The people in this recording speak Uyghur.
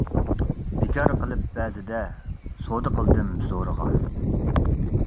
بىكار قېلىپ بەزىدە، سودا قىلدىم زورىغا.